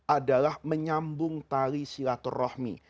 adalah menyambung tali silaturrohmi